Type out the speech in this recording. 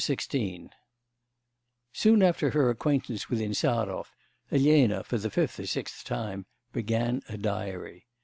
XVI Soon after her acquaintance with Insarov, Elena (for the fifth or sixth time) began a diary.